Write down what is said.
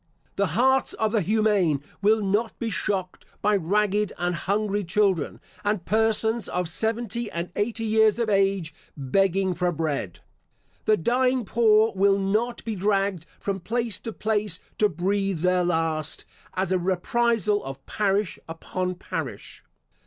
The hearts of the humane will not be shocked by ragged and hungry children, and persons of seventy and eighty years of age, begging for bread. The dying poor will not be dragged from place to place to breathe their last, as a reprisal of parish upon parish.